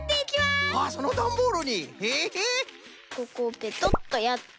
ここをペトッとやって。